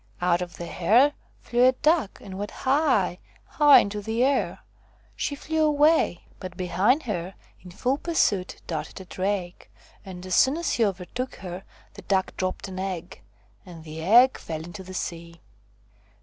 Out of the hare flew a duck and went high, high into the air. She flew away, but behind her in full pursuit darted a drake, and as soon as he overtook her the duck dropped an egg, and the egg fell into the sea.